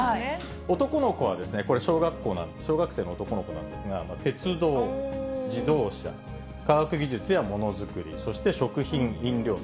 男の子はこれ、小学校、小学生の男の子なんですが、鉄道、自動車、科学技術やものづくり、そして食品・飲料と。